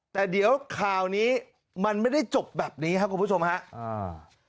แต่เดี๋ยวข่าวนี้มันไม่ได้จบแบบนี้ครับคุณผู้ชมฮะอ่า